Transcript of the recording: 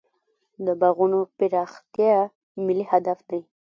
د باغونو پراختیا ملي هدف دی.